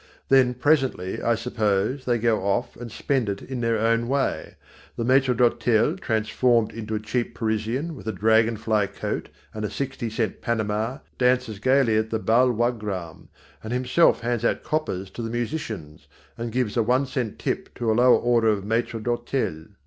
Then presently, I suppose, they go off and spend it in their own way. The maître d'hôtel transformed into a cheap Parisian with a dragon fly coat and a sixty cent panama, dances gaily at the Bal Wagram, and himself hands out coppers to the musicians, and gives a one cent tip to a lower order of maître d'hôtel.